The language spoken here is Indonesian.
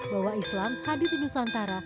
bahwa islam hadir di nusantara